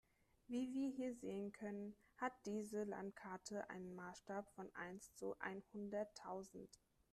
Wie wir hier sehen können, hat diese Landkarte einen Maßstab von eins zu einhunderttausend.